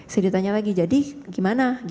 saya ditanya lagi jadi gimana